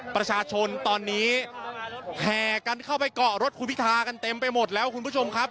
ประชาชนตอนนี้แห่กันเข้าไปเกาะรถคุณพิทากันเต็มไปหมดแล้วคุณผู้ชมครับ